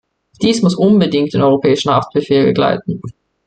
Dies muss unbedingt den europäischen Haftbefehl begleiten.